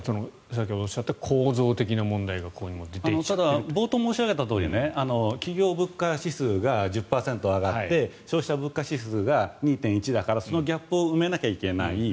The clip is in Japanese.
先ほどおっしゃった構造的な問題が冒頭申し上げたように企業物価指数が１０％上がって消費者物価指数が２．１だからそのギャップを埋めなきゃいけない。